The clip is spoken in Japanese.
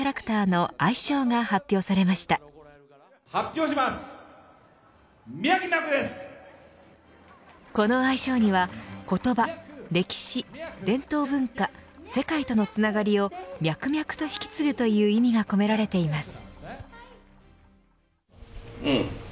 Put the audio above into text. この愛称には言葉、歴史伝統文化世界とのつながりをミャクミャクと引き継ぐという理念が込められています。